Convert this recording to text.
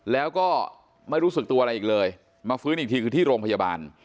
แล้วก็ไม่รู้สึกตัวอะไรอีกเลยมาฟื้นอีกทีคือที่โรงพยาบาล